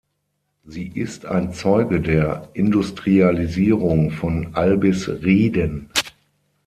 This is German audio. Sie ist ein Zeuge der Industrialisierung von Albisrieden.